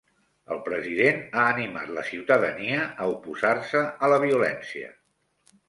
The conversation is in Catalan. El president ha animat la ciutadania a oposar-se a la violència.